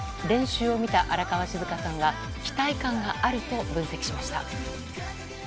練習を見た荒川静香さんは、期待感があると分析しました。